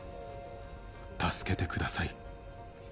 助けてください。